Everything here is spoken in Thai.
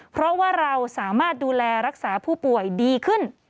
เพราะว่าเราสามารถดูแลรักษาผู้ป่วยดีขึ้น